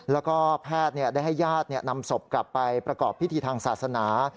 แล้วก็แพทย์ได้ให้ญาตินำศพกลับไปประกอบพิธีทางศาสนา